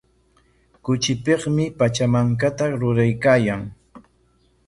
Kuchipikmi Pachamankata ruraykaayan.